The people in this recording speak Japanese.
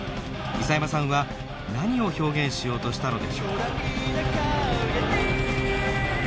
諫山さんは何を表現しようとしたのでしょうか？